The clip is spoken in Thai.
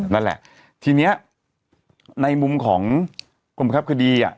นั่นแหละทีนี้ในมุมของกรมคับคดี